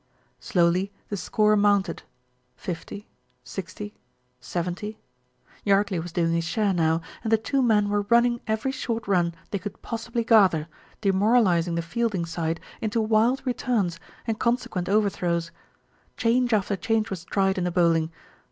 Slowly the score mounted, 50, 60, 70. Yardley was doing his share now, and the two men were running every short run they could possibly gather, demoralis ing the fielding side into wild returns and consequent overthrows. Change after change was tried in the bowling.